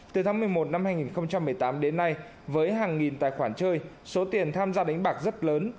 từ tháng một mươi một năm hai nghìn một mươi tám đến nay với hàng nghìn tài khoản chơi số tiền tham gia đánh bạc rất lớn